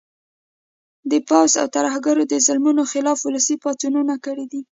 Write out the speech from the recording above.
د پوځ او ترهګرو د ظلمونو خلاف ولسي پاڅونونه کړي دي